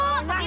pegi mana sih